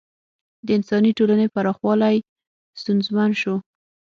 د انساني ټولنې پراخوالی ستونزمن شو.